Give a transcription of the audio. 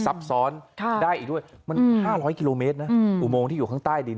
ซับซ้อนได้อีกด้วยมัน๕๐๐กิโลเมตรนะอุโมงที่อยู่ข้างใต้ดิน